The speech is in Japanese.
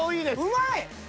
うまい！